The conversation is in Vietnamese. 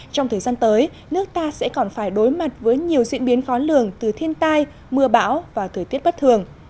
trong thời gian tới nước ta sẽ còn phải đối mặt với nhiều diễn biến khó lường từ thiên tai mưa bão và thời tiết bất thường